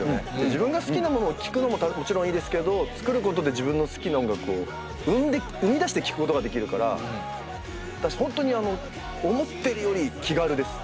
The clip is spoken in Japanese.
自分が好きなものを聴くのももちろんいいですけど作ることで自分の好きな音楽を生み出して聴くことができるから本当に思ってるより気軽です。